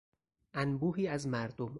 انبوهی از مردم